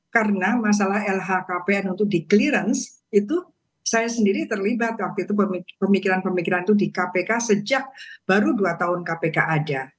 karena masalah lhkpn untuk di clearance itu saya sendiri terlibat waktu itu pemikiran pemikiran itu di kpk sejak baru dua tahun kpk ada